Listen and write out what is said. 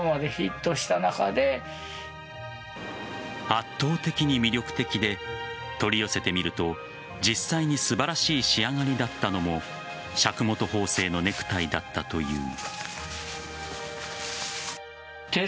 圧倒的に魅力的で取り寄せてみると実際に素晴らしい仕上がりだったのも笏本縫製のネクタイだったという。